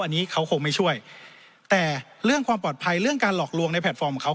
อันนี้เขาคงไม่ช่วยแต่เรื่องความปลอดภัยเรื่องการหลอกลวงในแพลตฟอร์มของเขา